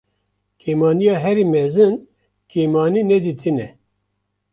Kêmaniya herî mezin kêmanînedîtin e.